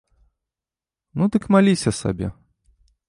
Ну дык маліся сабе.